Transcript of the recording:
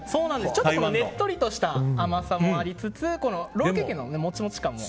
ちょっとねっとりとした甘さもありつつこのロールケーキのモチモチ感も。